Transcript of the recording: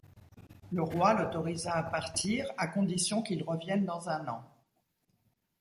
Le roi l'autorisa à partir à condition qu'il revienne dans un an.